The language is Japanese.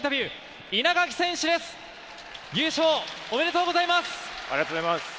おめでとうございます。